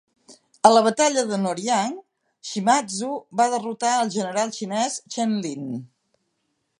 A la batalla de Noryang, Shimazu va derrotar al general xinès Chen Lin.